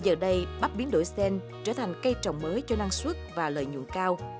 giờ đây bắp biến đổi sen trở thành cây trồng mới cho năng suất và lợi nhuận cao